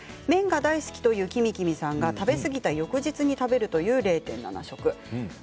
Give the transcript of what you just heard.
麺が大好きというキミキミさんが食べ過ぎた翌日に食べるという０．７食です。